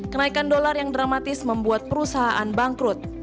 kenaikan dolar yang dramatis membuat perusahaan bangkrut